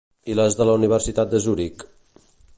I les de la Universitat de Zuric?